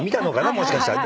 もしかしたら。